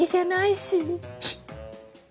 しっ！